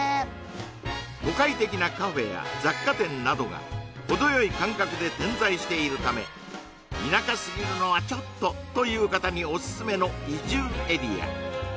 都会的なカフェや雑貨店などが程よい間隔で点在しているため田舎すぎるのはちょっとという方にオススメの移住エリア